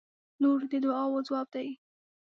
• لور د دعاوو ځواب دی.